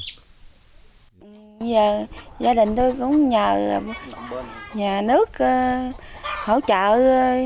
giờ gia đình tôi cũng nhờ nước hỗ trợ